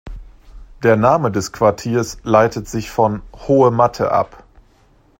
Der Name des Quartiers leitet sich von „hohe Matte“ ab.